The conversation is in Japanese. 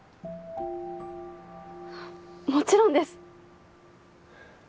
もちろんです。